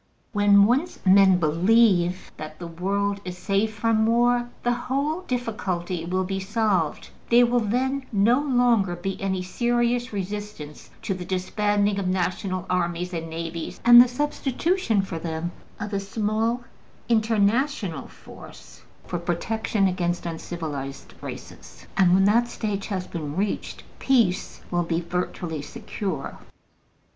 When once men BELIEVE that the world is safe from war, the whole difficulty will be solved: there will then no longer be any serious resistance to the disbanding of national armies and navies, and the substitution for them of a small international force for protection against uncivilized races. And when that stage has been reached, peace will be virtually secure.